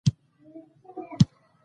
مځکه اوه لویې وچې لري.